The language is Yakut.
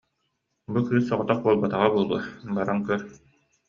Бу кыыс соҕотох буолбатаҕа буолуо, баран көр